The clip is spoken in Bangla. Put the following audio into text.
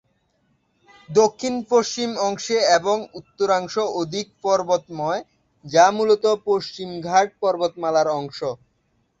দক্ষিণ পশ্চিম অংশে এবং উত্তরাংশ অধিক পর্বতময়, যা মূলত পশ্চিমঘাট পর্বতমালার অংশ।